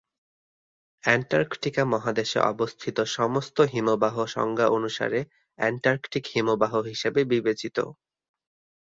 Antarctica মহাদেশে অবস্থিত সমস্ত হিমবাহ সংজ্ঞা অনুসারে অ্যান্টার্কটিক হিমবাহ হিসাবে বিবেচিত।